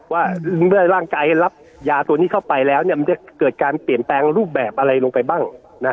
ว่าเมื่อร่างกายรับยาตัวนี้เข้าไปแล้วมันจะเกิดการเปลี่ยนแปลงรูปแบบอะไรลงไปบ้าง